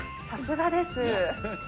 さすがです。